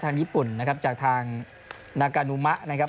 ญี่ปุ่นนะครับจากทางนากานุมะนะครับ